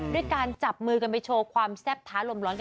ด้วยการจับมือกันไปโชว์ความแซ่บท้าลมร้อนกัน